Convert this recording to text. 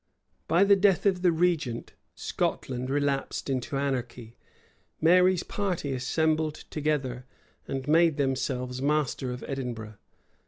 By the death of the regent, Scotland relapsed into anarchy. Mary's party assembled together, and made themselves masters of Edinburgh.